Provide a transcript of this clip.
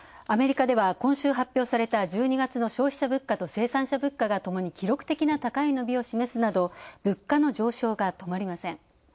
アメリカでは今週発表された１２月の消費者物価と生産者物価がともに記録的な高い伸びを示すなど物価の上昇が止まりません。